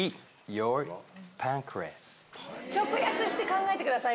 直訳して考えてください。